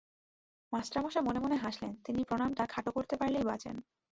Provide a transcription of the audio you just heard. মাস্টারমশায় মনে মনে হাসলেন, তিনি প্রণামটা খাটো করতে পারলেই বাঁচেন।